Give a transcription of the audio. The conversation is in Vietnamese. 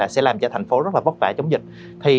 sẽ làm cho thành phố rất là vất vả chống dịch